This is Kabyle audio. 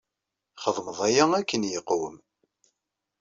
Txedmeḍ aya akken yeqwem.